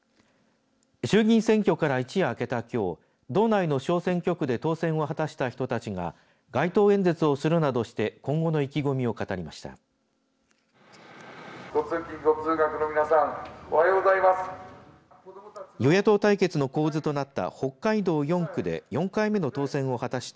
衆議院選挙から一夜明けたきょう道内の小選挙区で当選を果たした人たちが街頭演説をするなどして今後の意気込みを語りました。